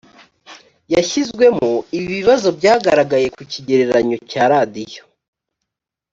yashyizwemo ibi bibazo byagaragaye ku kigereranyo cya radiyo